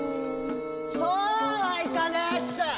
そうはいかねえっす！